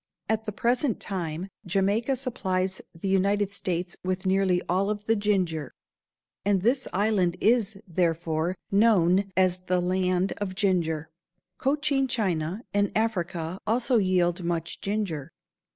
At the present time Jamaica supplies the United States with nearly all of the ginger, and this island is, therefore, known as "the land of ginger." Cochin China and Africa also yield much ginger.